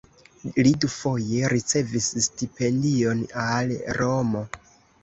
Li dufoje ricevis stipendion al Romo.